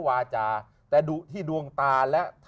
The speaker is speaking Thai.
วหะ